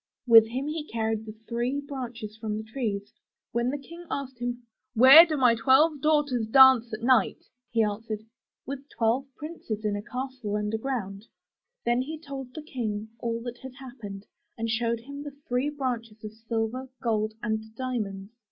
With him he carried the three branches from the trees. When the King asked him, * 'Where do my twelve daughters dance at night?'* he answered, ''With twelve princes in a castle underground.'' Then he told the King all that had happened, and showed him the three branches of silver, gold and diamonds.